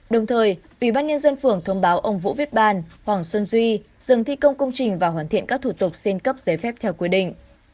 đồng thời ủy ban nhân dân phường thông báo ông vũ viết bàn hoàng xuân duy dừng thi công công trình và hoàn thiện các thủ tục xin cấp giấy phép theo quy định